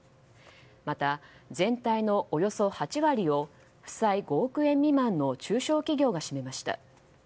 また、全体のおよそ８割を負債５億円未満の中小企業が占めました。